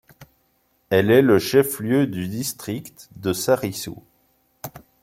Elle est le chef-lieu du district de Saryssou.